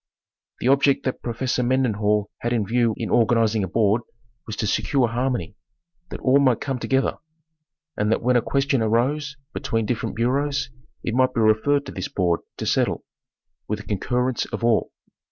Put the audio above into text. The object that Professor Mendenhall had in view in organiz ing a board was to secure harmony; that all might come together; and that when a question arose between different bureaus it might be referred to this board to settle, with the concurrence of all.